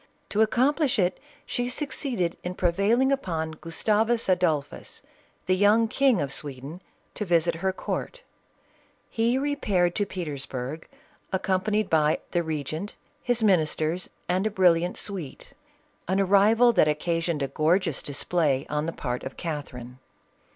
To accomplish it, she succeeded in prevail ing upon Gustavus Adolphus, the young King of Sweden, to visit her court He repaired to Peters burg, accompanied by the regent, his ministers, and a brilliant suite ; an arrival that occasioned a gorgeous display on the part of Catherine.